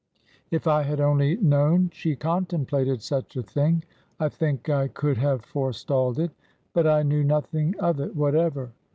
If I had only known she contemplated such a thing, I think I could have forestalled it. But I knew nothing of it whatever.